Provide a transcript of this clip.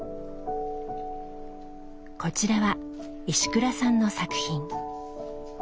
こちらは石倉さんの作品。